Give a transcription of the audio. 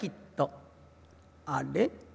あれ？